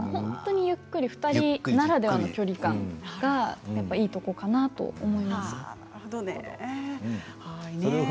ゆっくり２人ならではの距離感がいいところかなと思います。